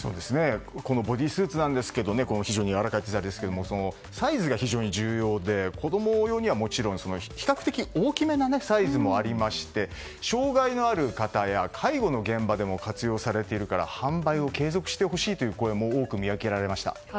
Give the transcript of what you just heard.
このボディスーツですけど非常にやわらかい生地ですけどサイズが非常に重要で子供用にはもちろん比較的大きめなサイズもありまして障害のある方や介護の現場でも活用されているから販売を継続してほしいという声も多く見受けられました。